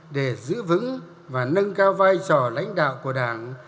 để giữ vững và nâng cao vai trò lãnh đạo của đảng